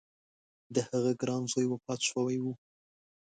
د هغه ګران زوی وفات شوی و.